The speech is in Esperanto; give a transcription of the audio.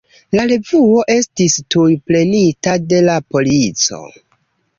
La revuo estis tuj prenita de la polico.